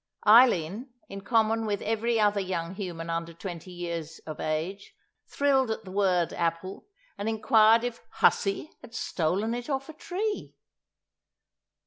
Eileen—in common with every other young human under twenty years of age—thrilled at the word apple, and inquired if "Hussy" had stolen it off a tree?